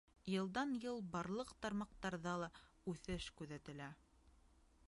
Йылдан-йыл барлыҡ тармаҡтарҙа ла үҫеш күҙәтелә.